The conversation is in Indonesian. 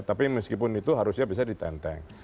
tapi meskipun itu harusnya bisa ditenteng